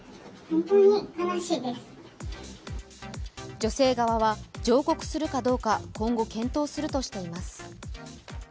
女性側は上告するかどうか今後、検討するとしています。